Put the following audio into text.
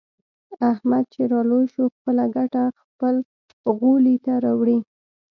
احمد چې را لوی شو. خپله ګټه خپل غولي ته راوړي.